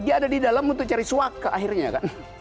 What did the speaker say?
dia ada di dalam untuk cari swaka akhirnya